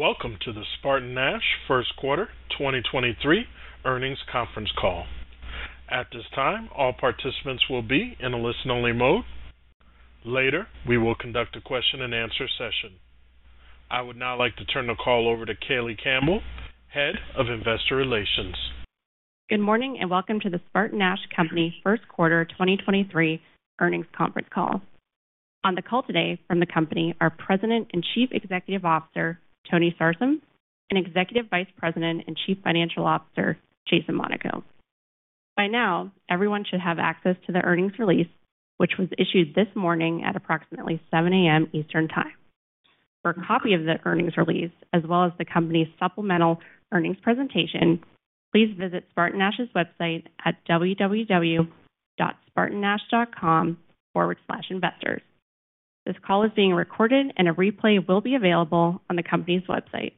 Welcome to the SpartanNash First Quarter 2023 Earnings Conference Call. At this time, all participants will be in a listen-only mode. Later, we will conduct a question-and-answer session. I would now like to turn the call over to Kayleigh Campbell, Head of Investor Relations. Good morning, and welcome to the SpartanNash Company First Quarter 2023 Earnings Conference Call. On the call today from the company are President and Chief Executive Officer, Tony Sarsam, and Executive Vice President and Chief Financial Officer, Jason Monaco. By now, everyone should have access to the earnings release, which was issued this morning at approximately 7:00 A.M. Eastern Time. For a copy of the earnings release, as well as the company's supplemental earnings presentation, please visit SpartanNash's website at www.spartannash.com/investors. This call is being recorded, and a replay will be available on the company's website.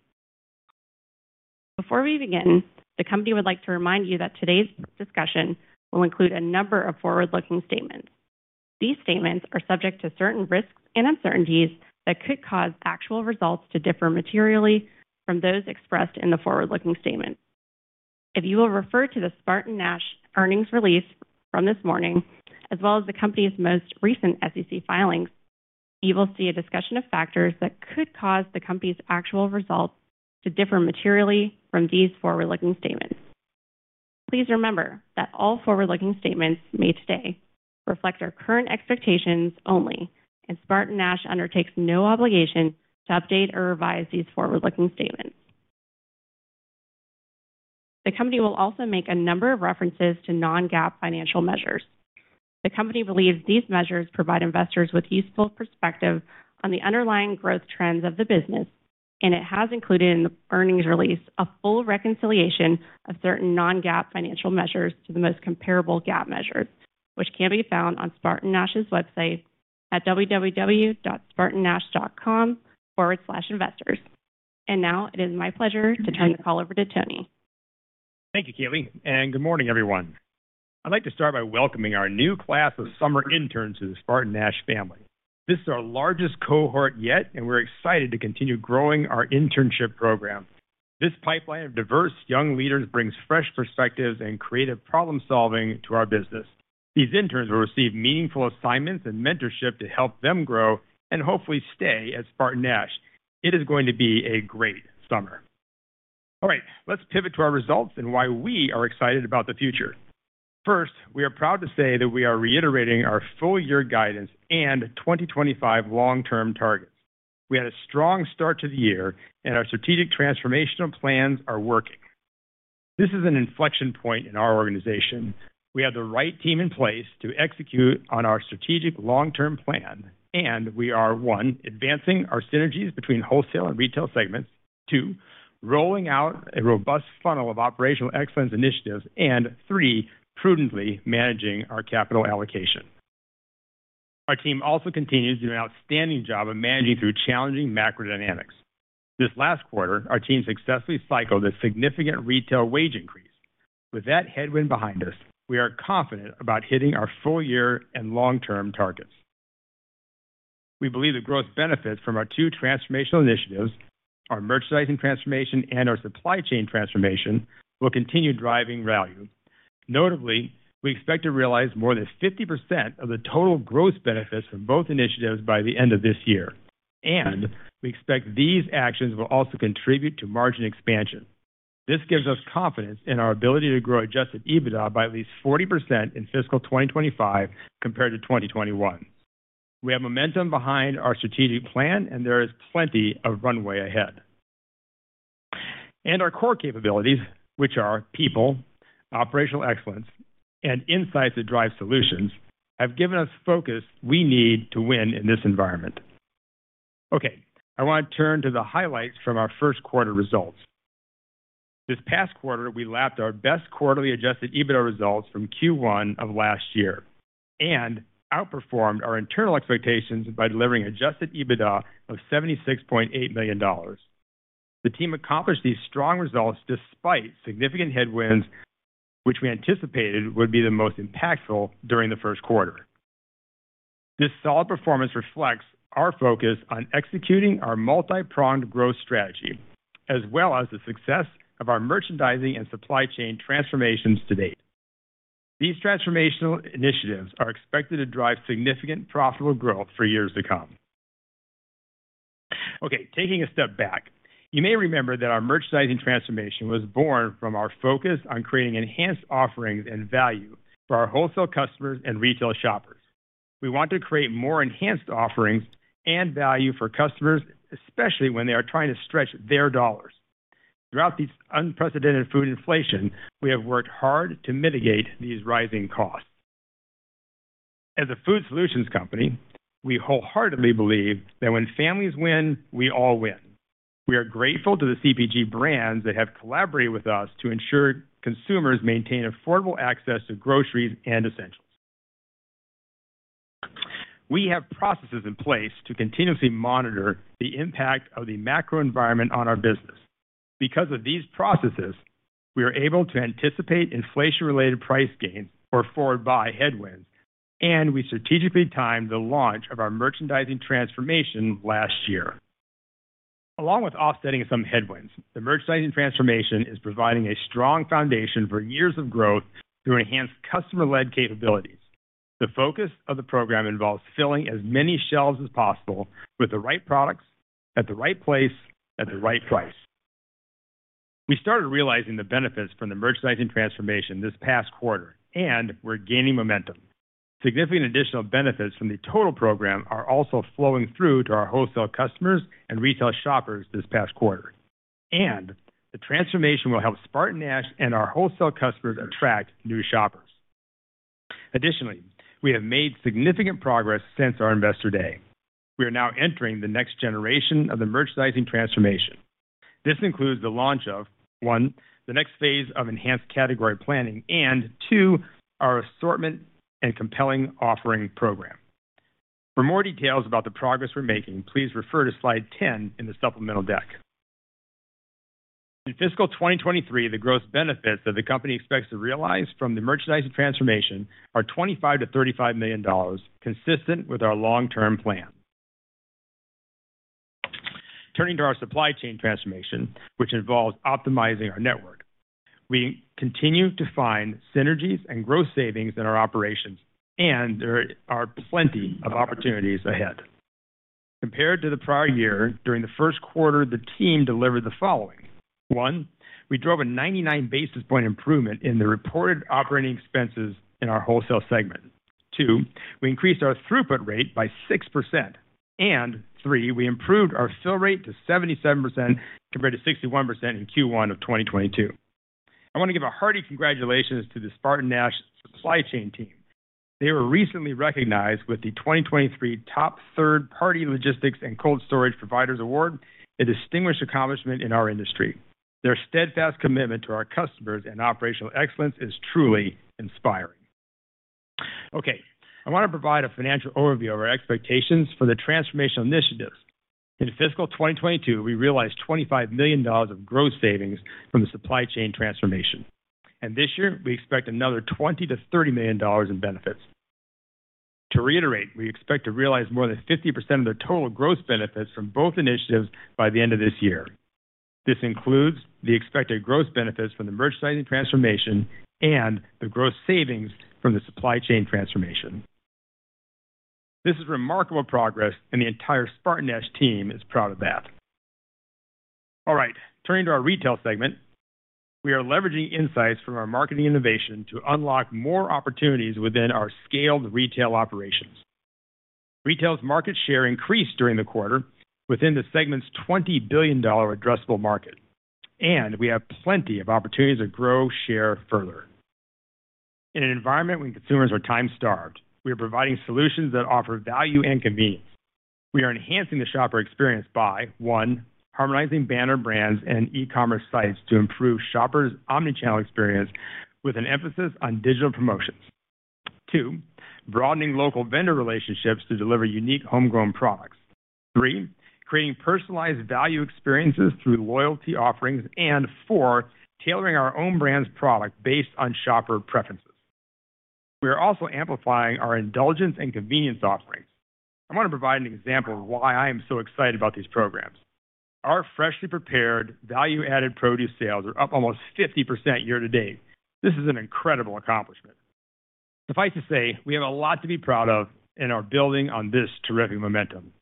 Before we begin, the company would like to remind you that today's discussion will include a number of forward-looking statements. These statements are subject to certain risks and uncertainties that could cause actual results to differ materially from those expressed in the forward-looking statement. If you will refer to the SpartanNash earnings release from this morning, as well as the company's most recent SEC filings, you will see a discussion of factors that could cause the company's actual results to differ materially from these forward-looking statements. Please remember that all forward-looking statements made today reflect our current expectations only, SpartanNash undertakes no obligation to update or revise these forward-looking statements. The company will also make a number of references to non-GAAP financial measures. The company believes these measures provide investors with useful perspective on the underlying growth trends of the business, and it has included in the earnings release a full reconciliation of certain non-GAAP financial measures to the most comparable GAAP measures, which can be found on SpartanNash's website at www.spartannash.com/investors. Now it is my pleasure to turn the call over to Tony. Thank you, Kayleigh, and good morning, everyone. I'd like to start by welcoming our new class of summer interns to the SpartanNash family. This is our largest cohort yet, and we're excited to continue growing our internship program. This pipeline of diverse young leaders brings fresh perspectives and creative problem-solving to our business. These interns will receive meaningful assignments and mentorship to help them grow and hopefully stay at SpartanNash. It is going to be a great summer. All right, let's pivot to our results and why we are excited about the future. First, we are proud to say that we are reiterating our full-year guidance and 2025 long-term targets. We had a strong start to the year, and our strategic transformational plans are working. This is an inflection point in our organization. We have the right team in place to execute on our strategic long-term plan, and we are, one, advancing our synergies between wholesale and retail segments. Two, rolling out a robust funnel of operational excellence initiatives. Three, prudently managing our capital allocation. Our team also continues to do an outstanding job of managing through challenging macro dynamics. This last quarter, our team successfully cycled a significant retail wage increase. With that headwind behind us, we are confident about hitting our full-year and long-term targets. We believe the growth benefits from our two transformational initiatives, our merchandising transformation and our supply chain transformation, will continue driving value. Notably, we expect to realize more than 50% of the total growth benefits from both initiatives by the end of this year, and we expect these actions will also contribute to margin expansion. This gives us confidence in our ability to grow adjusted EBITDA by at least 40% in fiscal 2025 compared to 2021. We have momentum behind our strategic plan. There is plenty of runway ahead. Our core capabilities, which are people, operational excellence, and insights that drive solutions, have given us focus we need to win in this environment. Okay, I want to turn to the highlights from our first quarter results. This past quarter, we lapped our best quarterly adjusted EBITDA results from Q1 of last year and outperformed our internal expectations by delivering adjusted EBITDA of $76.8 million. The team accomplished these strong results despite significant headwinds, which we anticipated would be the most impactful during the first quarter. This solid performance reflects our focus on executing our multi-pronged growth strategy, as well as the success of our merchandising and supply chain transformations to date. These transformational initiatives are expected to drive significant profitable growth for years to come. Okay, taking a step back, you may remember that our merchandising transformation was born from our focus on creating enhanced offerings and value for our wholesale customers and retail shoppers. We want to create more enhanced offerings and value for customers, especially when they are trying to stretch their dollars. Throughout this unprecedented food inflation, we have worked hard to mitigate these rising costs. As a food solutions company, we wholeheartedly believe that when families win, we all win. We are grateful to the CPG brands that have collaborated with us to ensure consumers maintain affordable access to groceries and essentials. We have processes in place to continuously monitor the impact of the macro environment on our business. Because of these processes, we are able to anticipate inflation-related price gains or forward buy headwinds, and we strategically timed the launch of the merchandising transformation last year. Along with offsetting some headwinds, the merchandising transformation is providing a strong foundation for years of growth through enhanced customer-led capabilities. The focus of the program involves filling as many shelves as possible with the right products, at the right place, at the right price. We started realizing the benefits from the merchandising transformation this past quarter, and we're gaining momentum. Significant additional benefits from the total program are also flowing through to our wholesale customers and retail shoppers this past quarter. The transformation will help SpartanNash and our wholesale customers attract new shoppers. Additionally, we have made significant progress since our Investor Day. We are now entering the next generation of the merchandising transformation. This includes the launch of, one, the next phase of enhanced category planning and, two, our assortment and compelling offering program. For more details about the progress we're making, please refer to slide 10 in the supplemental deck. In fiscal 2023, the gross benefits that the company expects to realize from the merchandising transformation are $25 million-$35 million, consistent with our long-term plan. Turning to our supply chain transformation, which involves optimizing our network, we continue to find synergies and gross savings in our operations, and there are plenty of opportunities ahead. Compared to the prior year, during the first quarter, the team delivered the following: One, we drove a 99 basis point improvement in the reported operating expenses in our wholesale segment. Two, we increased our throughput rate by 6%. Three, we improved our fill rate to 77%, compared to 61% in Q1 of 2022. I want to give a hearty congratulations to the SpartanNash supply chain team. They were recently recognized with the 2023 Top Third Party Logistics and Cold Storage Providers award, a distinguished accomplishment in our industry. Their steadfast commitment to our customers and operational excellence is truly inspiring. Okay, I want to provide a financial overview of our expectations for the transformational initiatives. In fiscal 2022, we realized $25 million of gross savings from the supply chain transformation, and this year, we expect another $20 million-$30 million in benefits. To reiterate, we expect to realize more than 50% of the total gross benefits from both initiatives by the end of this year. This includes the expected gross benefits from the merchandising transformation and the gross savings from the supply chain transformation. This is remarkable progress, and the entire SpartanNash team is proud of that. All right, turning to our retail segment. We are leveraging insights from our marketing innovation to unlock more opportunities within our scaled retail operations. Retail's market share increased during the quarter within the segment's $20 billion addressable market. We have plenty of opportunities to grow share further. In an environment when consumers are time-starved, we are providing solutions that offer value and convenience. We are enhancing the shopper experience by, one, harmonizing banner brands and e-commerce sites to improve shoppers' omnichannel experience with an emphasis on digital promotions. Two, broadening local vendor relationships to deliver unique homegrown products. Three, creating personalized value experiences through loyalty offerings. Four, tailoring our own brands product based on shopper preferences. We are also amplifying our indulgence and convenience offerings. I want to provide an example of why I am so excited about these programs. Our freshly prepared value-added produce sales are up almost 50% year to date. This is an incredible accomplishment. Suffice to say, we have a lot to be proud of and are building on this terrific momentum.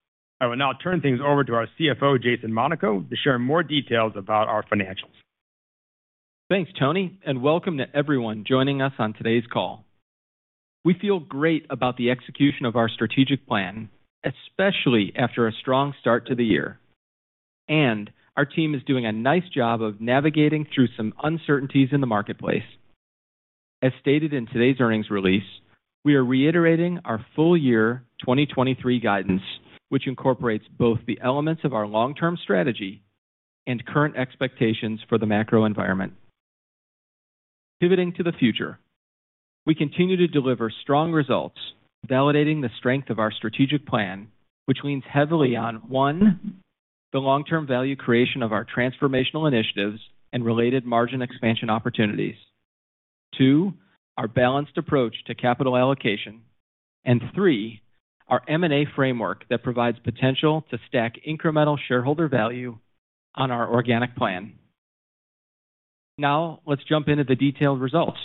I will now turn things over to our CFO, Jason Monaco, to share more details about our financials. Thanks, Tony, and welcome to everyone joining us on today's call. We feel great about the execution of our strategic plan, especially after a strong start to the year. Our team is doing a nice job of navigating through some uncertainties in the marketplace. As stated in today's earnings release, we are reiterating our full year 2023 guidance, which incorporates both the elements of our long-term strategy and current expectations for the macro environment. Pivoting to the future, we continue to deliver strong results, validating the strength of our strategic plan, which leans heavily on, one, the long-term value creation of our transformational initiatives and related margin expansion opportunities. Two, our balanced approach to capital allocation. Three, our M&A framework that provides potential to stack incremental shareholder value on our organic plan. Now, let's jump into the detailed results.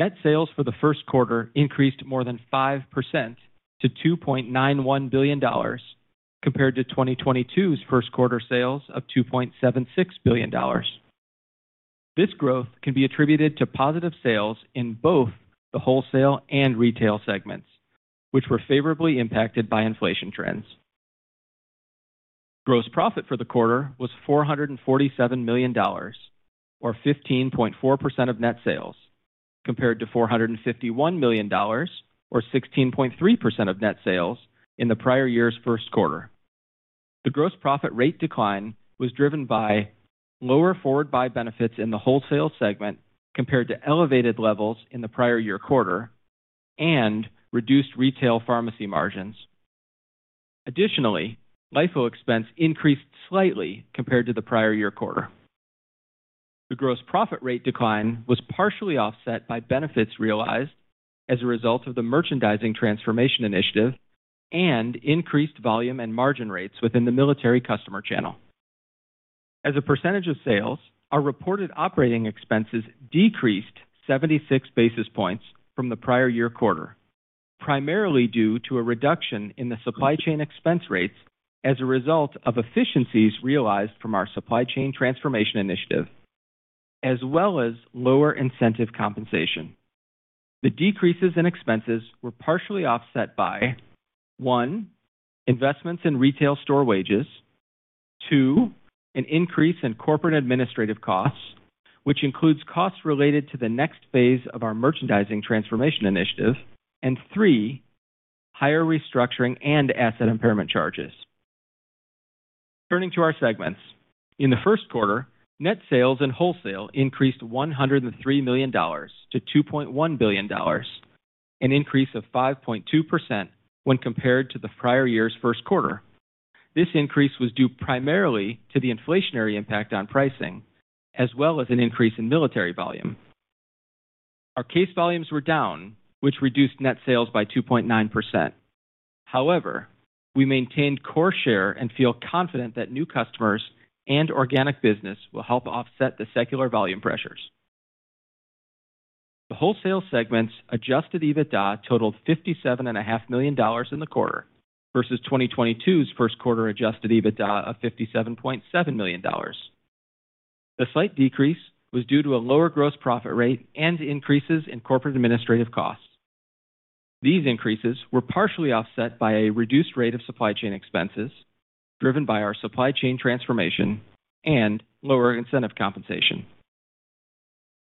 Net sales for the first quarter increased more than 5% to $2.91 billion, compared to 2022's first quarter sales of $2.76 billion. This growth can be attributed to positive sales in both the wholesale and retail segments, which were favorably impacted by inflation trends. Gross profit for the quarter was $447 million, or 15.4% of net sales, compared to $451 million, or 16.3% of net sales, in the prior year's first quarter. The gross profit rate decline was driven by lower forward buy benefits in the wholesale segment compared to elevated levels in the prior year quarter and reduced retail pharmacy margins. LIFO expense increased slightly compared to the prior year quarter. The gross profit rate decline was partially offset by benefits realized as a result of the merchandising transformation initiative and increased volume and margin rates within the military customer channel. As a percentage of sales, our reported operating expenses decreased 76 basis points from the prior year quarter, primarily due to a reduction in the supply chain expense rates as a result of efficiencies realized from our supply chain transformation initiative, as well as lower incentive compensation. The decreases in expenses were partially offset by, one, investments in retail store wages, two, an increase in corporate administrative costs, which includes costs related to the next phase of our merchandising transformation initiative, and three, higher restructuring and asset impairment charges. Turning to our segments. In the first quarter, Net sales and Wholesale increased $103 million-$2.1 billion, an increase of 5.2% when compared to the prior year's first quarter. This increase was due primarily to the inflationary impact on pricing, as well as an increase in military volume. Our case volumes were down, which reduced Net sales by 2.9%. We maintained core share and feel confident that new customers and organic business will help offset the secular volume pressures. The Wholesale segment's adjusted EBITDA totaled $57.5 million in the quarter versus 2022's first quarter adjusted EBITDA of $57.7 million. The slight decrease was due to a lower gross profit rate and increases in corporate administrative costs. These increases were partially offset by a reduced rate of supply chain expenses, driven by our supply chain transformation and lower incentive compensation.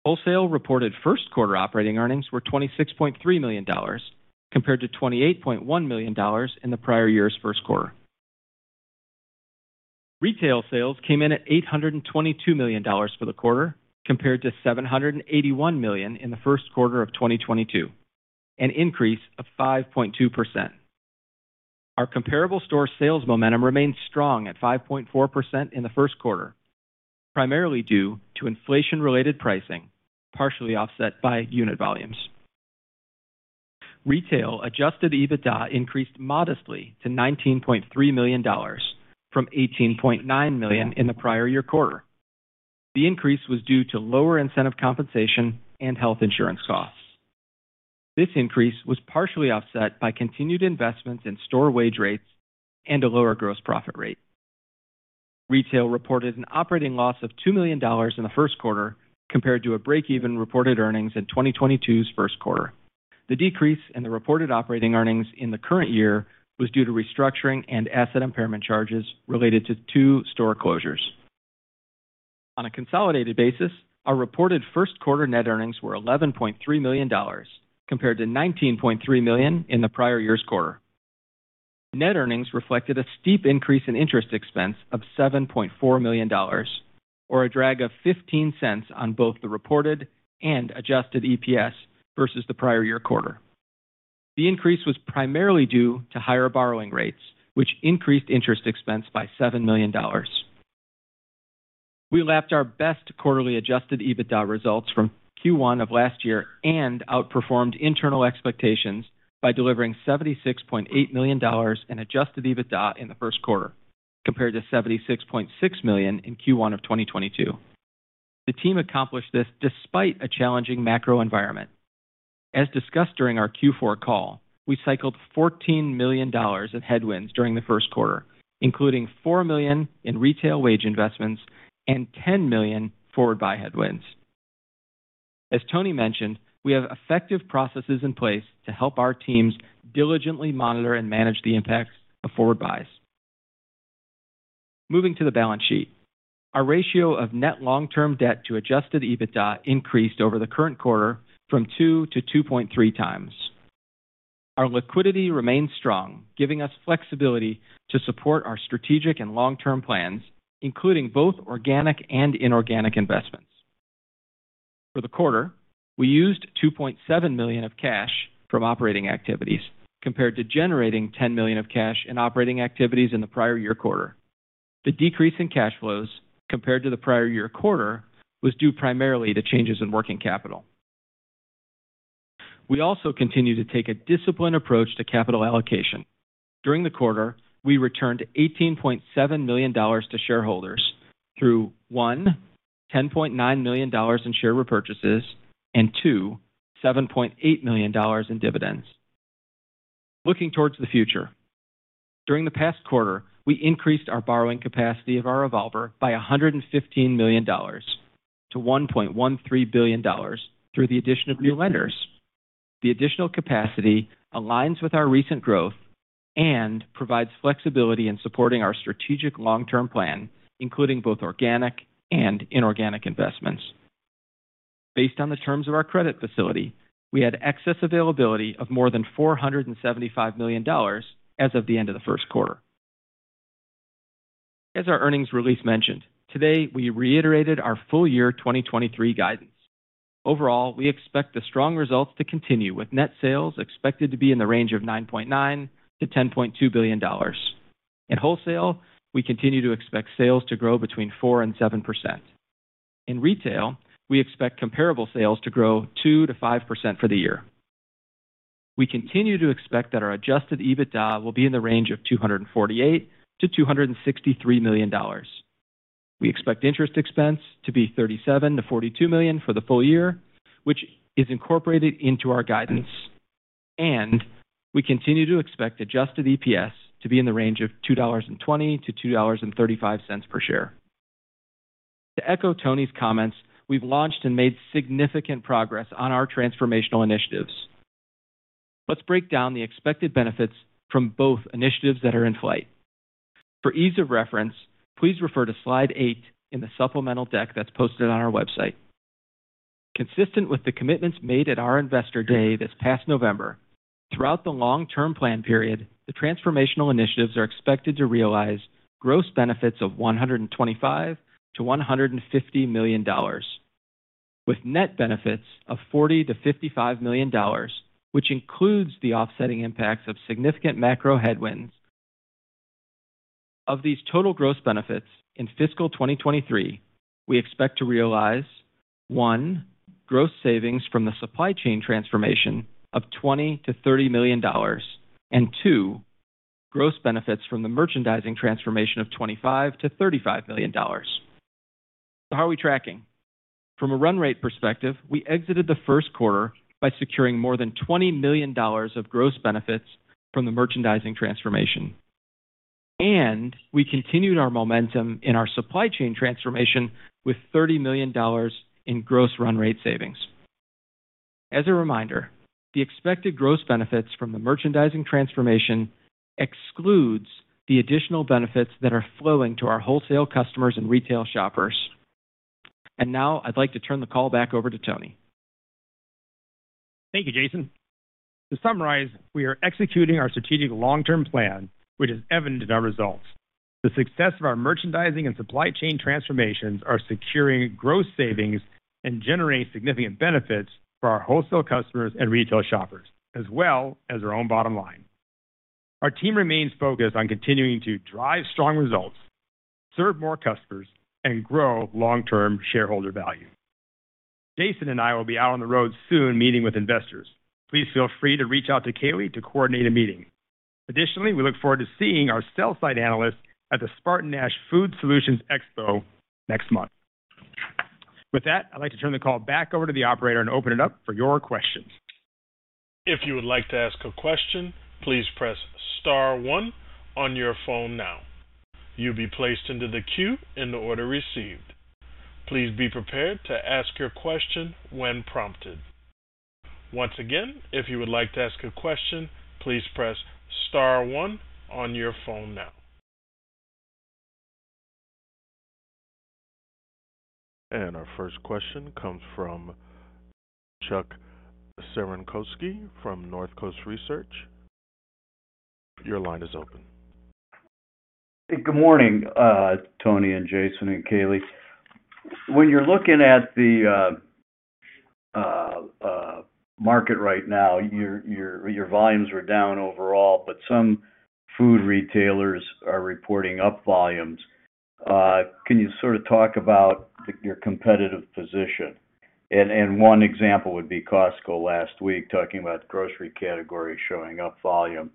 Wholesale reported first quarter operating earnings were $26.3 million, compared to $28.1 million in the prior year's first quarter. Retail sales came in at $822 million for the quarter, compared to $781 million in the first quarter of 2022, an increase of 5.2%. Our comparable store sales momentum remains strong at 5.4% in the first quarter, primarily due to inflation-related pricing, partially offset by unit volumes. Retail adjusted EBITDA increased modestly to $19.3 million from $18.9 million in the prior year quarter. The increase was due to lower incentive compensation and health insurance costs. This increase was partially offset by continued investments in store wage rates and a lower gross profit rate. Retail reported an operating loss of $2 million in the first quarter, compared to a break-even reported earnings in 2022's first quarter. The decrease in the reported operating earnings in the current year was due to restructuring and asset impairment charges related to two store closures. On a consolidated basis, our reported first quarter net earnings were $11.3 million, compared to $19.3 million in the prior year's quarter. Net earnings reflected a steep increase in interest expense of $7.4 million, or a drag of $0.15 on both the reported and adjusted EPS versus the prior year quarter. The increase was primarily due to higher borrowing rates, which increased interest expense by $7 million. We lapped our best quarterly adjusted EBITDA results from Q1 of last year and outperformed internal expectations by delivering $76.8 million in adjusted EBITDA in the first quarter, compared to $76.6 million in Q1 of 2022. The team accomplished this despite a challenging macro environment. As discussed during our Q4 call, we cycled $14 million of headwinds during the first quarter, including $4 million in retail wage investments and $10 million forward buy headwinds. As Tony mentioned, we have effective processes in place to help our teams diligently monitor and manage the impacts of forward buys. Moving to the balance sheet. Our ratio of net long-term debt to adjusted EBITDA increased over the current quarter from two to 2.3 times. Our liquidity remains strong, giving us flexibility to support our strategic and long-term plans, including both organic and inorganic investments. For the quarter, we used $2.7 million of cash from operating activities, compared to generating $10 million of cash in operating activities in the prior year quarter. The decrease in cash flows compared to the prior year quarter was due primarily to changes in working capital. We also continue to take a disciplined approach to capital allocation. During the quarter, we returned $18.7 million to shareholders through, one, $10.9 million in share repurchases, and two, $7.8 million in dividends. Looking towards the future, during the past quarter, we increased our borrowing capacity of our revolver by $115 million-$1.13 billion through the addition of new lenders. The additional capacity aligns with our recent growth and provides flexibility in supporting our strategic long-term plan, including both organic and inorganic investments. Based on the terms of our credit facility, we had excess availability of more than $475 million as of the end of the first quarter. As our earnings release mentioned, today, we reiterated our full year 2023 guidance. Overall, we expect the strong results to continue, with net sales expected to be in the range of $9.9 billion-$10.2 billion. In wholesale, we continue to expect sales to grow between 4%-7%. In retail, we expect comparable sales to grow 2%-5% for the year. We continue to expect that our adjusted EBITDA will be in the range of $248 million-$263 million. We expect interest expense to be $37 million-$42 million for the full year, which is incorporated into our guidance, and we continue to expect adjusted EPS to be in the range of $2.20-$2.35 per share. To echo Tony's comments, we've launched and made significant progress on our transformational initiatives. Let's break down the expected benefits from both initiatives that are in flight. For ease of reference, please refer to slide 8 in the supplemental deck that's posted on our website. Consistent with the commitments made at our Investor Day this past November, throughout the long-term plan period, the transformational initiatives are expected to realize gross benefits of $125 million-$150 million, with net benefits of $40 million-$55 million, which includes the offsetting impacts of significant macro headwinds. Of these total gross benefits, in fiscal 2023, we expect to realize: one, gross savings from the supply chain transformation of $20 million-$30 million, and two, gross benefits from the merchandising transformation of $25 million-$35 million. How are we tracking? From a run rate perspective, we exited the 1st quarter by securing more than $20 million of gross benefits from the merchandising transformation. We continued our momentum in our supply chain transformation with $30 million in gross run rate savings. As a reminder, the expected gross benefits from the merchandising transformation excludes the additional benefits that are flowing to our wholesale customers and retail shoppers. Now I'd like to turn the call back over to Tony. Thank you, Jason. To summarize, we are executing our strategic long-term plan, which is evident in our results. The success of our merchandising and supply chain transformations are securing gross savings and generating significant benefits for our wholesale customers and retail shoppers, as well as our own bottom line. Our team remains focused on continuing to drive strong results, serve more customers, and grow long-term shareholder value. Jason and I will be out on the road soon, meeting with investors. Please feel free to reach out to Kayleigh to coordinate a meeting. We look forward to seeing our sell side analysts at the SpartanNash Food Solutions Expo next month. With that, I'd like to turn the call back over to the operator and open it up for your questions. If you would like to ask a question, please press star one on your phone now. You'll be placed into the queue in the order received. Please be prepared to ask your question when prompted. Once again, if you would like to ask a question, please press star one on your phone now. Our first question comes from Chuck Cerankosky from Northcoast Research. Your line is open. Good morning, Tony and Jason and Kayleigh. When you're looking at the market right now, your volumes are down overall, but some food retailers are reporting up volumes. Can you sort of talk about your competitive position? One example would be Costco last week, talking about the grocery category showing up volume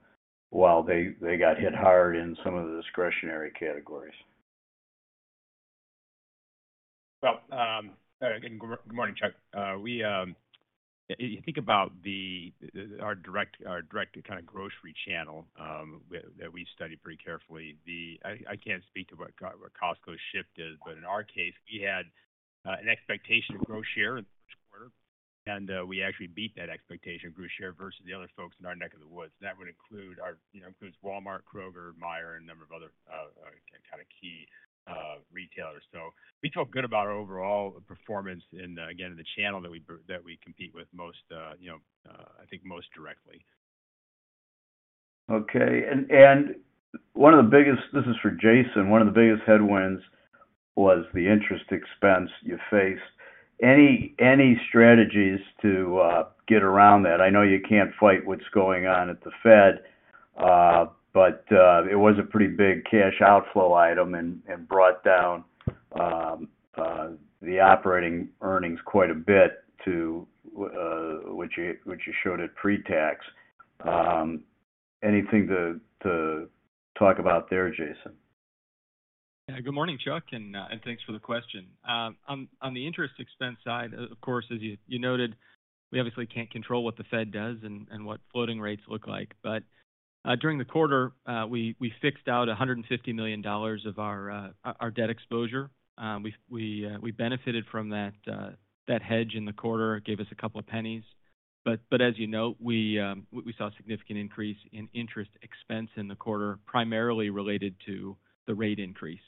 while they got hit hard in some of the discretionary categories. Well, again, good morning, Chuck. We, if you think about the, our direct, our direct to kind of grocery channel, that we studied pretty carefully, the, I can't speak to what Costco's shift is, but in our case, we had an expectation of growth share in the first quarter, and we actually beat that expectation of growth share versus the other folks in our neck of the woods. That would include our, you know, includes Walmart, Kroger, Meijer, and a number of other kind of key retailers. We feel good about our overall performance in, again, in the channel that we, that we compete with most, you know, I think most directly. Okay. One of the biggest, this is for Jason, one of the biggest headwinds was the interest expense you faced. Any strategies to get around that? I know you can't fight what's going on at the Fed, but it was a pretty big cash outflow item and brought down the operating earnings quite a bit to which you showed at pre-tax. Anything to talk about there, Jason? Yeah. Good morning, Chuck, and thanks for the question. On the interest expense side, of course, as you noted, we obviously can't control what the Fed does and what floating rates look like. During the quarter, we fixed out $150 million of our debt exposure. We benefited from that hedge in the quarter, gave us a couple of pennies. As you note, we saw a significant increase in interest expense in the quarter, primarily related to the rate increase.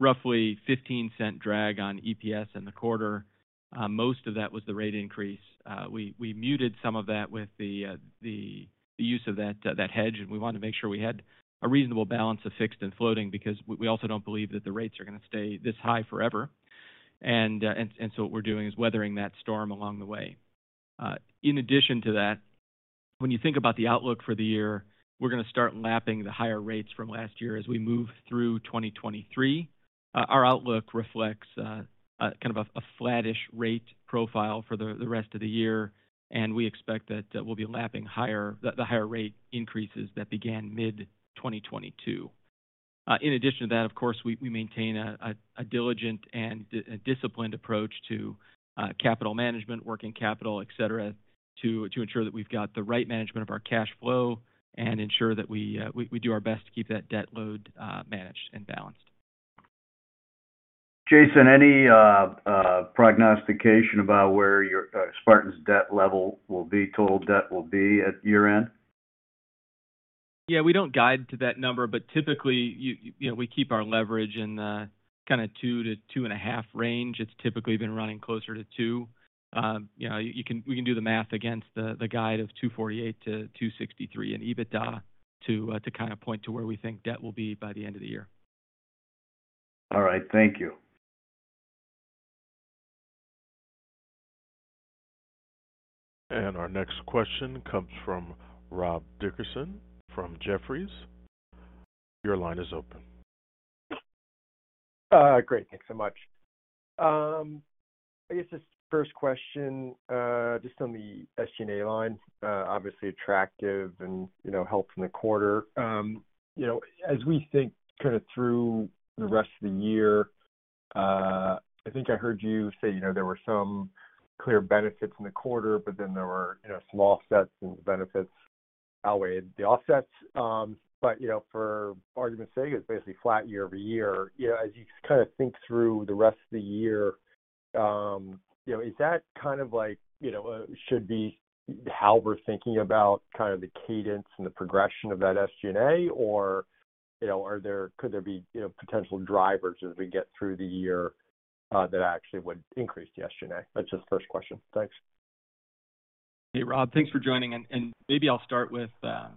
Roughly $0.15 drag on EPS in the quarter. Most of that was the rate increase. We muted some of that with the use of that hedge, and we wanted to make sure we had a reasonable balance of fixed and floating, because we also don't believe that the rates are going to stay this high forever. What we're doing is weathering that storm along the way. In addition to that, when you think about the outlook for the year, we're going to start lapping the higher rates from last year as we move through 2023. Our outlook reflects kind of a flattish rate profile for the rest of the year, and we expect that we'll be lapping the higher rate increases that began mid-2022. In addition to that, of course, we maintain a diligent and disciplined approach to capital management, working capital, et cetera, to ensure that we've got the right management of our cash flow and ensure that we do our best to keep that debt load managed and balanced. Jason, any prognostication about where your Spartan's debt level will be, total debt will be at year-end? Yeah, we don't guide to that number, but typically, you know, we keep our leverage in the kinda two to 2.5 range. It's typically been running closer to two. you know, we can do the math against the guide of $248 to $263 in EBITDA to kind of point to where we think debt will be by the end of the year. All right. Thank you. Our next question comes from Rob Dickerson from Jefferies. Your line is open. Great. Thanks so much. I guess this first question, just on the SG&A line, obviously attractive and, you know, helped in the quarter. You know, as we think kind of through the rest of the year, I think I heard you say, you know, there were some clear benefits in the quarter, but then there were, you know, some offsets, and the benefits outweighed the offsets. You know, for argument's sake, it's basically flat year-over-year. You know, as you kind of think through the rest of the year, you know, is that kind of like, you know, should be how we're thinking about kind of the cadence and the progression of that SG&A? You know, could there be, you know, potential drivers as we get through the year, that actually would increase the SG&A? That's just first question. Thanks. Hey, Rob. Thanks for joining in. Maybe I'll start with kind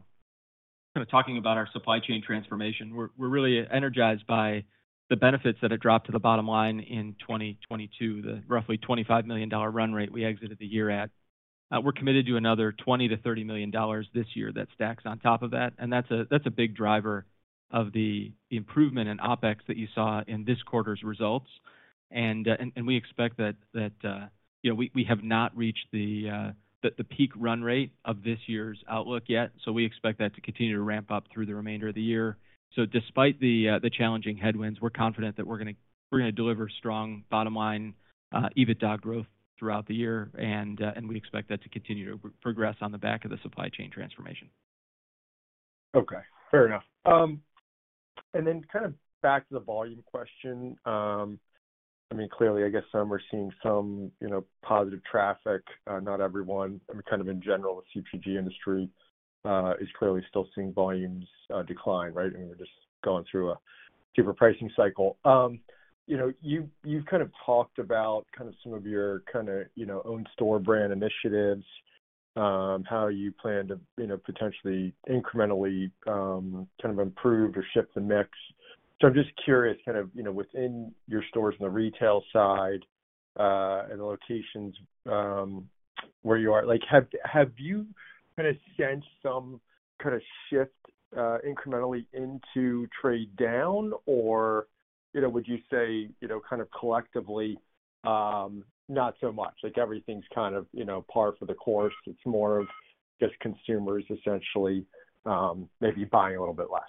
of talking about our supply chain transformation. We're really energized by the benefits that it dropped to the bottom line in 2022, the roughly $25 million run rate we exited the year at. We're committed to another $20 million-$30 million this year. That stacks on top of that's a big driver of the improvement in OpEx that you saw in this quarter's results. We expect that, you know, we have not reached the peak run rate of this year's outlook yet, so we expect that to continue to ramp up through the remainder of the year. Despite the challenging headwinds, we're confident that we're gonna deliver strong bottom line, EBITDA growth throughout the year. We expect that to continue to progress on the back of the supply chain transformation. Okay, fair enough. Kind of back to the volume question. I mean, clearly, I guess some are seeing some, you know, positive traffic, not everyone. I mean, kind of in general, the CPG industry is clearly still seeing volumes decline, right? We're just going through a different pricing cycle. You know, you've kind of talked about kind of some of your kind of, you know, own store brand initiatives, how you plan to, you know, potentially incrementally kind of improve or ship the mix. I'm just curious, kind of, you know, within your stores on the retail side, and the locations, where you are, like, have you kind of sensed some kind of shift incrementally into trade down? you know, would you say, you know, kind of collectively, not so much, like, everything's kind of, you know, par for the course? It's more of just consumers essentially, maybe buying a little bit less.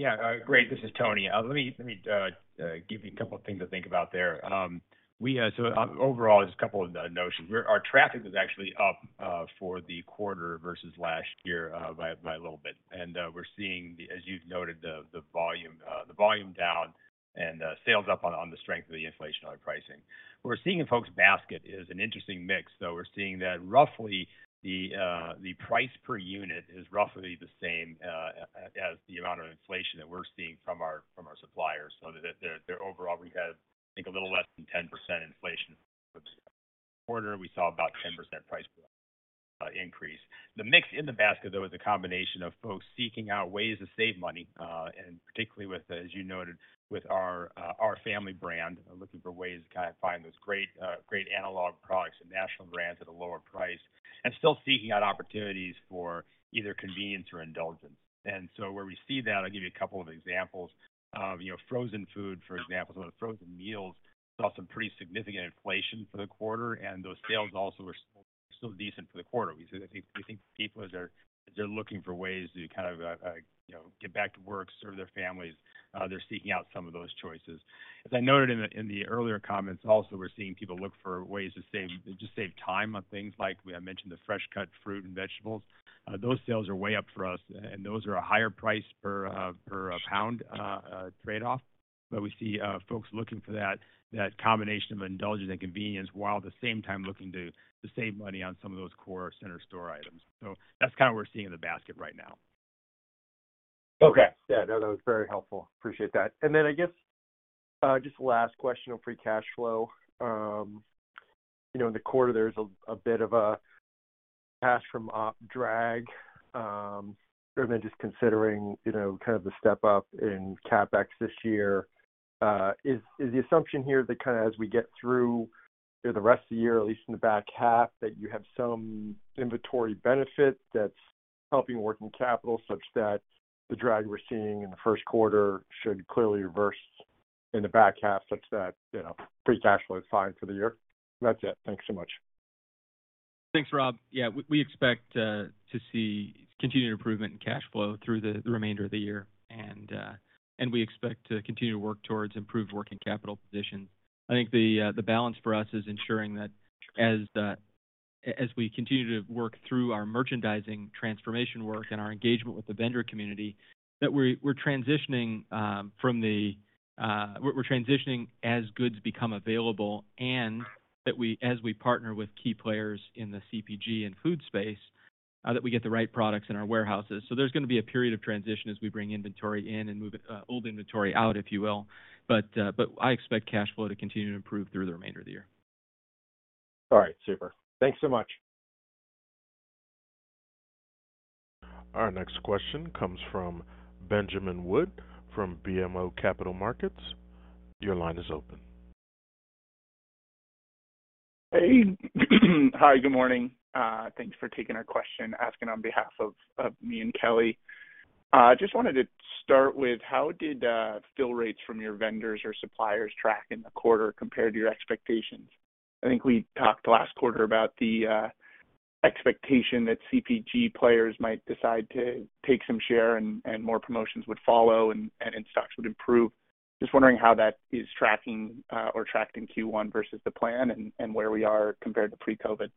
Yeah. Great, this is Tony. let me give you a couple of things to think about there. we, overall, just a couple of notions. Our traffic was actually up for the quarter versus last year by a little bit. we're seeing, as you've noted, the volume down and sales up on the strength of the inflationary pricing. We're seeing in folks' basket is an interesting mix, though. We're seeing that roughly the price per unit is roughly the same as the amount of inflation that we're seeing from our suppliers. their overall, we had, I think, a little less than 10% inflation quarter. We saw about 10% price increase. The mix in the basket, though, is a combination of both seeking out ways to save money, and particularly with, as you noted, with our Our Family, looking for ways to kind of find those great analog products and national brands at a lower price, and still seeking out opportunities for either convenience or indulgence. Where we see that, I'll give you a couple of examples. You know, frozen food, for example. The frozen meals, we saw some pretty significant inflation for the quarter, and those sales also were still decent for the quarter. We think people, as they're looking for ways to kind of, you know, get back to work, serve their families, they're seeking out some of those choices. As I noted in the earlier comments, also, we're seeing people look for ways to save, just save time on things like, we had mentioned, the fresh cut fruit and vegetables. Those sales are way up for us, and those are a higher price per pound trade-off. We see folks looking for that combination of indulgence and convenience, while at the same time looking to save money on some of those core center store items. That's kind of what we're seeing in the basket right now. Okay. Yeah, no, that was very helpful. Appreciate that. I guess just the last question on free cash flow. You know, in the quarter, there's a bit of a cash from op drag, and then just considering, you know, kind of the step up in CapEx this year, is the assumption here that kind of as we get through the rest of the year, at least in the back half, that you have some inventory benefit that's helping working capital such that the drag we're seeing in the first quarter should clearly reverse in the back half, such that, you know, free cash flow is fine for the year? That's it. Thanks so much. Thanks, Rob. Yeah, we expect to see continued improvement in cash flow through the remainder of the year, and we expect to continue to work towards improved working capital position. I think the balance for us is ensuring that as we continue to work through our merchandising transformation work and our engagement with the vendor community, that we're transitioning as goods become available and that we partner with key players in the CPG and food space that we get the right products in our warehouses. There's going to be a period of transition as we bring inventory in and move old inventory out, if you will. I expect cash flow to continue to improve through the remainder of the year. All right, super. Thanks so much. Our next question comes from Benjamin Wood, from BMO Capital Markets. Your line is open. Hey, hi, good morning. Thanks for taking our question, asking on behalf of me and Kelly. Just wanted to start with, how did fill rates from your vendors or suppliers track in the quarter compared to your expectations? I think we talked last quarter about the expectation that CPG players might decide to take some share and more promotions would follow and in stocks would improve. Just wondering how that is tracking or tracked in Q1 versus the plan and where we are compared to pre-COVID.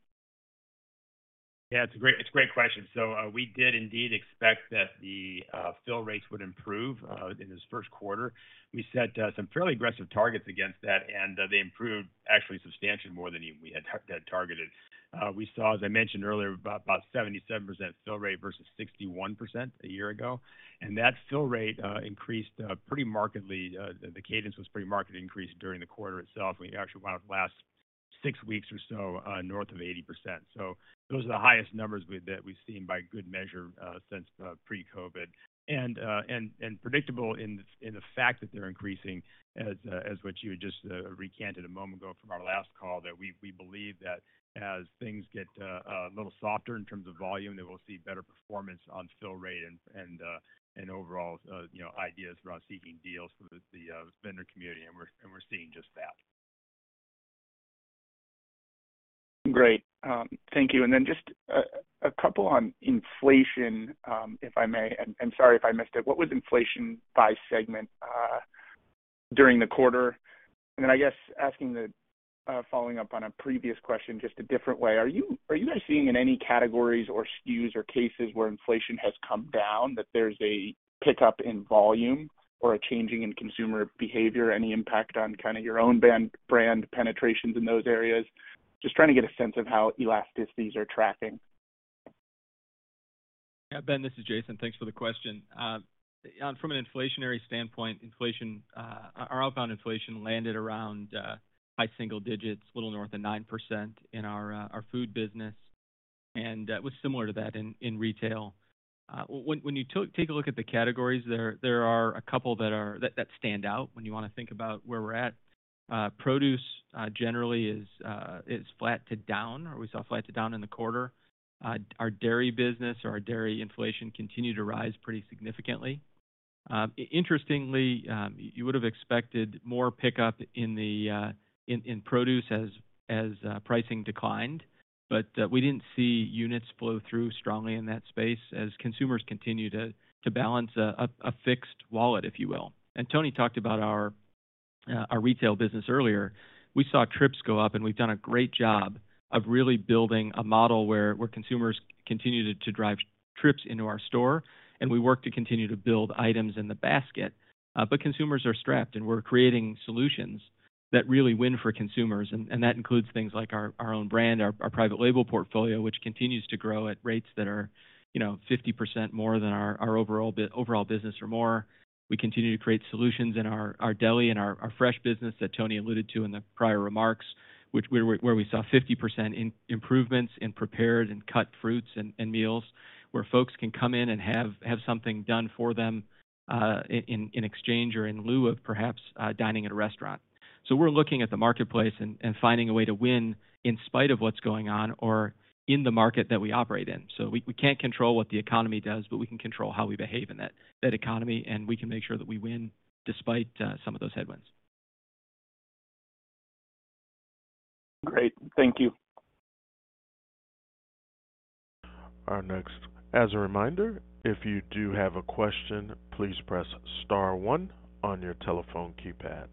Yeah, it's a great, it's a great question. We did indeed expect that the fill rates would improve in this first quarter. We set some fairly aggressive targets against that, they improved actually substantially more than even we had targeted. We saw, as I mentioned earlier, about 77% fill rate versus 61% a year ago, that fill rate increased pretty markedly. The cadence was pretty markedly increased during the quarter itself. We actually went out the last six weeks or so, north of 80%. Those are the highest numbers that we've seen by good measure since pre-COVID. Predictable in the fact that they're increasing as what you had just recanted a moment ago from our last call, that we believe that as things get a little softer in terms of volume, that we'll see better performance on fill rate and overall, you know, ideas around seeking deals with the vendor community, and we're seeing just that. Great. Thank you. Just two on inflation, if I may, and sorry if I missed it. What was inflation by segment during the quarter? I guess asking the, following up on a previous question, just a different way, are you guys seeing in any categories or SKUs or cases where inflation has come down, that there's a pickup in volume or a changing in consumer behavior, any impact on kind of your own band, brand penetrations in those areas? Just trying to get a sense of how elasticities are tracking. Yeah, Ben, this is Jason. Thanks for the question. From an inflationary standpoint, inflation, our outbound inflation landed around high single digits, a little north of 9% in our our food business, and was similar to that in in retail. You take a look at the categories. There are a couple that stand out when you want to think about where we're at. Produce, generally is flat to down, or we saw flat to down in the quarter. Our dairy business or our dairy inflation continued to rise pretty significantly. Interestingly, you would have expected more pickup in produce as pricing declined, but we didn't see units flow through strongly in that space as consumers continued to balance a fixed wallet, if you will. Tony talked about our retail business earlier. We saw trips go up, and we've done a great job of really building a model where consumers continued to drive trips into our store, and we work to continue to build items in the basket. Consumers are strapped, and we're creating solutions that really win for consumers. That includes things like our own brand, our private label portfolio, which continues to grow at rates that are, you know, 50% more than our overall business or more. We continue to create solutions in our deli and our fresh business that Tony alluded to in the prior remarks, which where we saw 50% improvements in prepared and cut fruits and meals, where folks can come in and have something done for them in exchange or in lieu of perhaps dining at a restaurant. We're looking at the marketplace and finding a way to win in spite of what's going on or in the market that we operate in. We can't control what the economy does, but we can control how we behave in that economy, and we can make sure that we win despite some of those headwinds. Great. Thank you. As a reminder, if you do have a question, please press star one on your telephone keypad.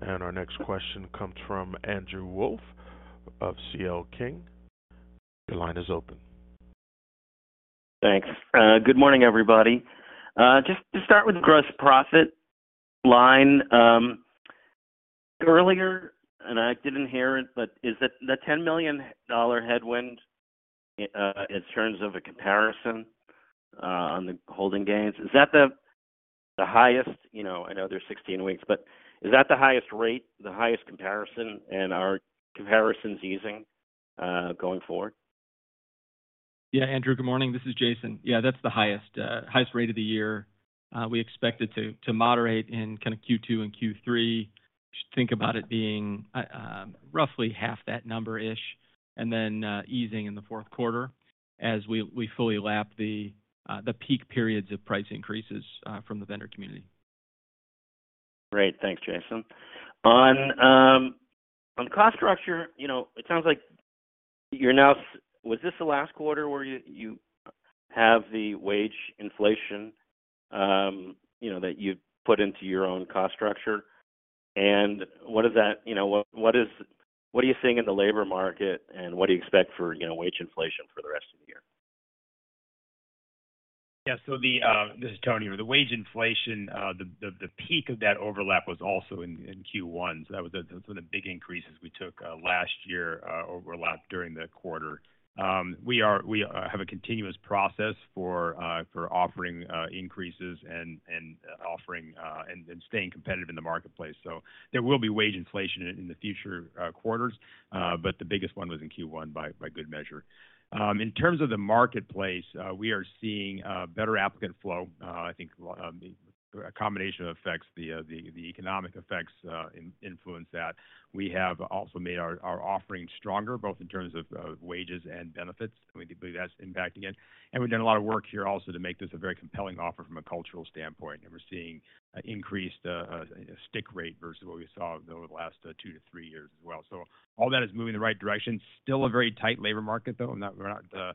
Our next question comes from Andrew Wolf of C.L. King. Your line is open. Thanks. good morning, everybody. just to start with gross profit line earlier, I didn't hear it, but is that the $10 million headwind in terms of a comparison on the holding gains? Is that the highest? You know, I know there's 16 weeks, but is that the highest rate, the highest comparison, and are comparisons easing going forward? Yeah, Andrew, good morning. This is Jason. Yeah, that's the highest highest rate of the year. We expect it to moderate in kind of Q2 and Q3. Just think about it being roughly half that number-ish, easing in the fourth quarter as we fully lap the peak periods of price increases from the vendor community. Great. Thanks, Jason. On cost structure, you know, it sounds like Was this the last quarter where you have the wage inflation, you know, that you put into your own cost structure? What are you seeing in the labor market, and what do you expect for, you know, wage inflation for the rest of the year? Yeah. This is Tony. The wage inflation, the peak of that overlap was also in Q1. That was the big increases we took last year overlap during the quarter. We have a continuous process for offering increases and offering and staying competitive in the marketplace. There will be wage inflation in the future quarters, but the biggest one was in Q1 by good measure. In terms of the marketplace, we are seeing better applicant flow. I think a combination of effects, the economic effects influence that. We have also made our offerings stronger, both in terms of wages and benefits. We believe that's impacting it. We've done a lot of work here also to make this a very compelling offer from a cultural standpoint. We're seeing increased stick rate versus what we saw over the last two to three years as well. All that is moving in the right direction. Still a very tight labor market, though. I'm not, we're not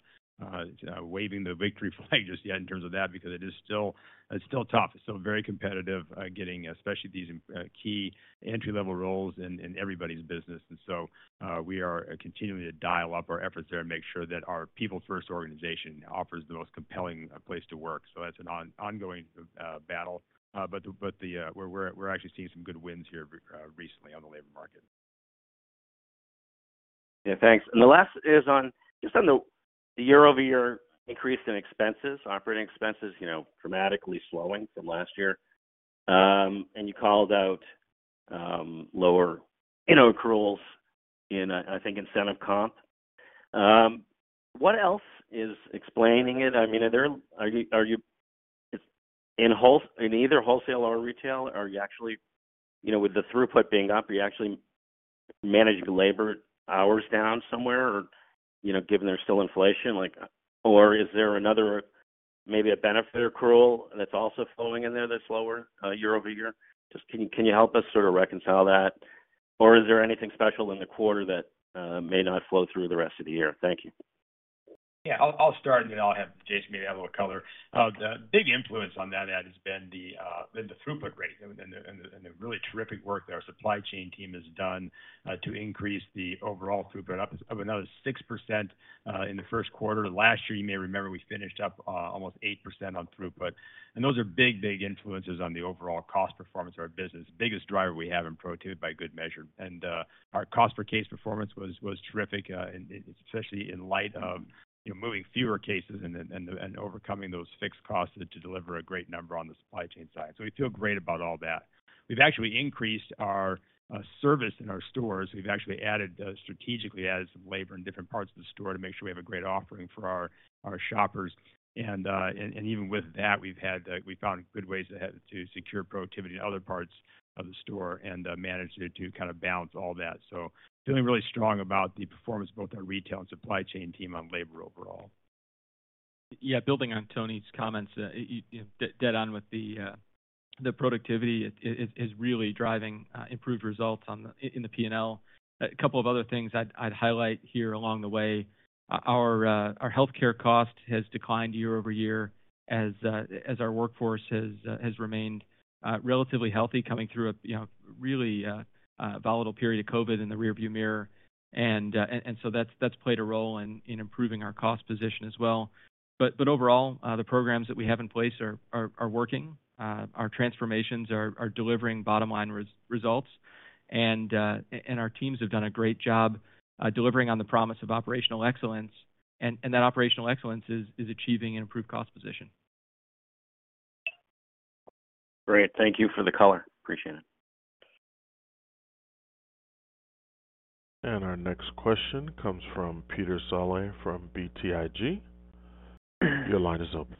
waving the victory flag just yet in terms of that, because it is still, it's still tough. It's still very competitive, getting, especially these key entry-level roles in everybody's business. We are continuing to dial up our efforts there and make sure that our people-first organization offers the most compelling place to work. That's an ongoing battle. We're actually seeing some good wins here recently on the labor market. Yeah, thanks. The last is on, just on the year-over-year increase in expenses, operating expenses, you know, dramatically slowing from last year. You called out, lower, you know, accruals in, I think, incentive comp. What else is explaining it? I mean, are you In whole, in either wholesale or retail, are you actually, you know, with the throughput being up, are you actually managing labor hours down somewhere? You know, given there's still inflation, like. Is there another, maybe a benefit accrual that's also flowing in there that's lower, year-over-year? Just can you help us sort of reconcile that? Is there anything special in the quarter that, may not flow through the rest of the year? Thank you. Yeah, I'll start, and then I'll have Jason maybe add a little color. The big influence on that has been the throughput rate and the really terrific work that our supply chain team has done to increase the overall throughput up of another 6% in the first quarter. Last year, you may remember, we finished up almost 8% on throughput. Those are big influences on the overall cost performance of our business. Biggest driver we have in go-to-market by good measure. Our cost per case performance was terrific, and especially in light of, you know, moving fewer cases and then overcoming those fixed costs to deliver a great number on the supply chain side. We feel great about all that. We've actually increased our service in our stores. We've actually added, strategically added some labor in different parts of the store to make sure we have a great offering for our shoppers. Even with that, we've had, we've found good ways to secure productivity in other parts of the store and managed to kind of balance all that. Feeling really strong about the performance of both our retail and supply chain team on labor overall. Yeah, building on Tony's comments, you, dead on with the productivity is really driving improved results in the P&L. A couple of other things I'd highlight here along the way. Our healthcare cost has declined year-over-year as our workforce has remained relatively healthy, coming through a, you know, really volatile period of COVID in the rearview mirror. That's played a role in improving our cost position as well. Overall, the programs that we have in place are working. Our transformations are delivering bottom-line results, and our teams have done a great job delivering on the promise of operational excellence, and that operational excellence is achieving an improved cost position. Great. Thank you for the color. Appreciate it. Our next question comes from Peter Saleh, from BTIG. Your line is open.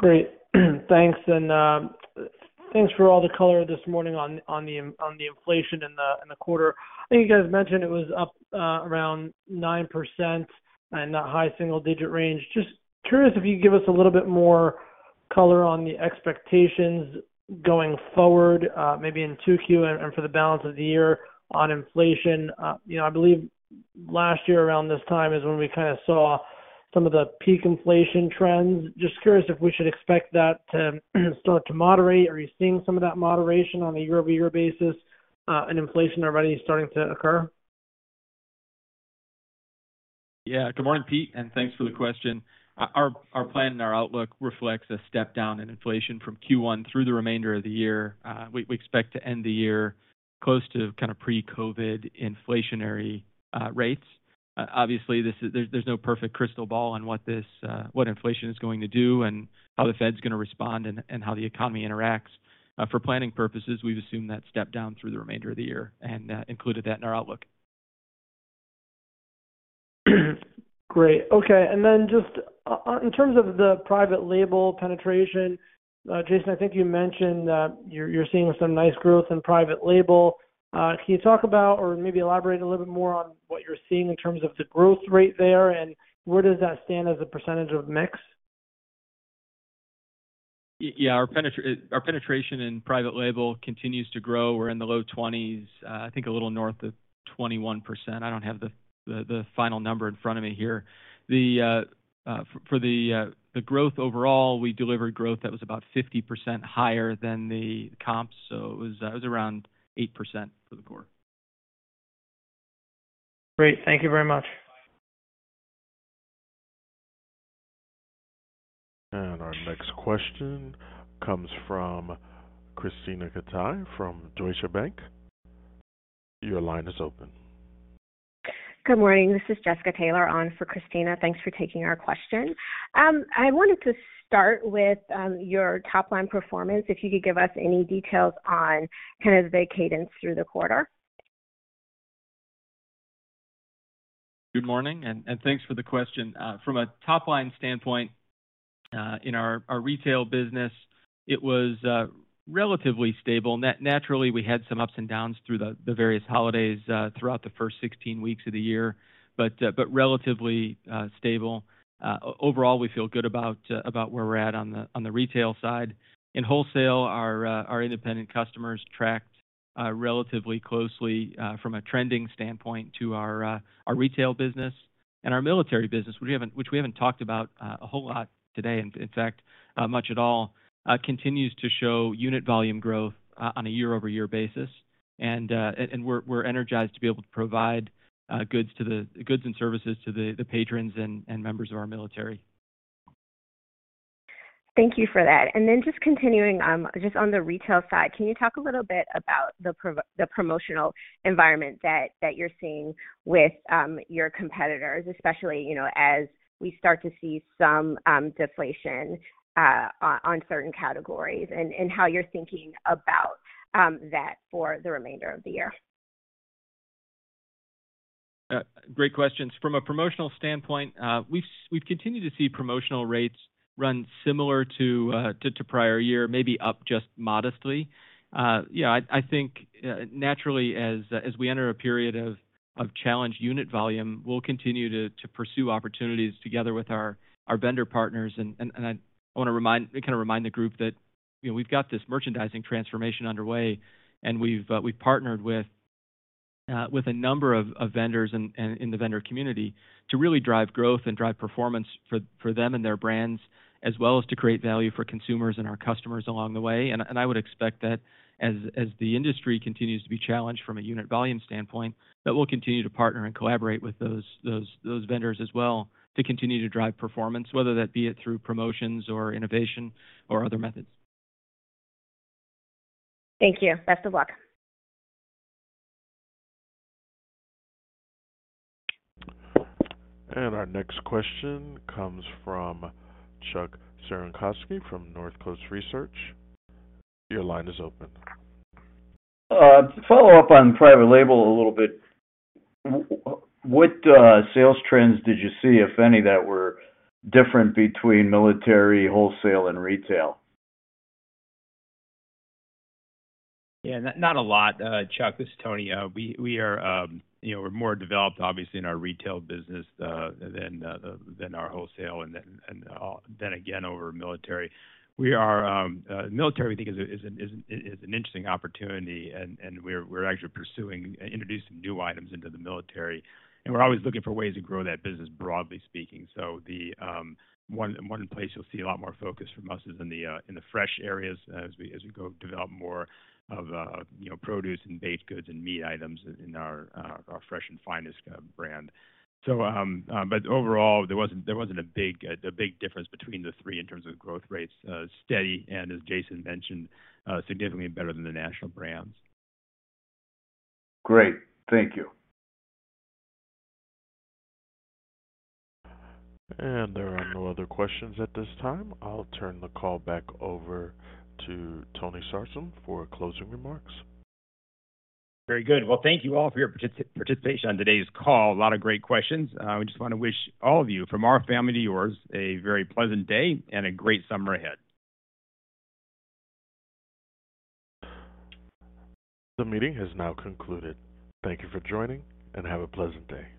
Great. Thanks, thanks for all the color this morning on the inflation in the quarter. I think you guys mentioned it was up around 9% in that high single-digit range. Just curious if you could give us a little bit more color on the expectations going forward, maybe in 2Q and for the balance of the year on inflation. You know, I believe last year around this time is when we kinda saw some of the peak inflation trends. Just curious if we should expect that to start to moderate. Are you seeing some of that moderation on a year-over-year basis and inflation already starting to occur? Yeah, good morning, Pete, and thanks for the question. Our plan and our outlook reflects a step down in inflation from Q1 through the remainder of the year. We expect to end the year close to kind of pre-COVID inflationary rates. Obviously, there's no perfect crystal ball on what this, what inflation is going to do and how the Fed's gonna respond and how the economy interacts. For planning purposes, we've assumed that step down through the remainder of the year and included that in our outlook. Great. Okay, just in terms of the private label penetration, Jason, I think you mentioned that you're seeing some nice growth in private label. Can you talk about or maybe elaborate a little bit more on what you're seeing in terms of the growth rate there, and where does that stand as a percent of mix? Yeah, Our penetration in private label continues to grow. We're in the low twenties, I think a little north of 21%. I don't have the final number in front of me here. The for the growth overall, we delivered growth that was about 50% higher than the comps, so it was around 8% for the core. Great. Thank you very much. Our next question comes from Krisztina Katai from Deutsche Bank. Your line is open. Good morning, this is Jessica Taylor on for Krisztina. Thanks for taking our question. I wanted to start with your top-line performance. If you could give us any details on kind of the cadence through the quarter? Good morning, and thanks for the question. From a top-line standpoint, in our retail business, it was relatively stable. Naturally, we had some ups and downs through the various holidays throughout the first 16 weeks of the year, but relatively stable. Overall, we feel good about where we're at on the retail side. In wholesale, our independent customers tracked relatively closely from a trending standpoint to our retail business and our military business, which we haven't talked about a whole lot today, in fact, much at all, continues to show unit volume growth on a year-over-year basis. We're energized to be able to provide goods to the goods and services to the patrons and members of our military. Thank you for that. Then just continuing, just on the retail side, can you talk a little bit about the promotional environment that you're seeing with your competitors, especially, you know, as we start to see some deflation on certain categories and how you're thinking about that for the remainder of the year? Great questions. From a promotional standpoint, we've continued to see promotional rates run similar to prior year, maybe up just modestly. Yeah, I think, naturally, as we enter a period of challenged unit volume, we'll continue to pursue opportunities together with our vendor partners. I want to kind of remind the group that, you know, we've got this merchandising transformation underway, and we've partnered with a number of vendors in the vendor community to really drive growth and drive performance for them and their brands, as well as to create value for consumers and our customers along the way. I would expect that as the industry continues to be challenged from a unit volume standpoint, that we'll continue to partner and collaborate with those vendors as well to continue to drive performance, whether that be it through promotions or innovation or other methods. Thank you. Best of luck. Our next question comes from Chuck Cerankosky from Northcoast Research. Your line is open. To follow up on private label a little bit, what sales trends did you see, if any, that were different between military, wholesale, and retail? Yeah, not a lot, Chuck, this is Tony. We are, you know, we're more developed obviously in our retail business than our wholesale and then again, over military. We are military, I think, is an interesting opportunity, and we're actually pursuing introducing new items into the military, and we're always looking for ways to grow that business, broadly speaking. The one place you'll see a lot more focus from us is in the fresh areas as we go develop more of, you know, produce and baked goods and meat items in our Fresh & Finest brand. Overall, there wasn't a big difference between the three in terms of growth rates steady, and as Jason mentioned, significantly better than the national brands. Great. Thank you. There are no other questions at this time. I'll turn the call back over to Tony Sarsam for closing remarks. Very good. Well, thank you all for your participation on today's call. A lot of great questions. We just want to wish all of you, from our family to yours, a very pleasant day and a great summer ahead. The meeting has now concluded. Thank you for joining, and have a pleasant day.